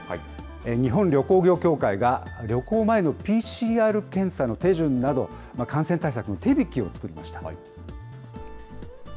日本旅行業協会が、旅行前のＰＣＲ検査の手順など、感染対策の手引きを作りました。